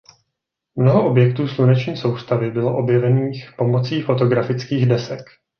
Mnoho objektů sluneční soustavy bylo objevených pomocí fotografických desek.